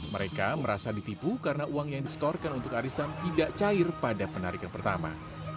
mereka merasa ditipu karena uang yang disetorkan untuk arisan tidak cair pada penarikan pertama